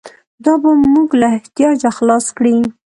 دا به موږ له احتیاجه خلاص کړي.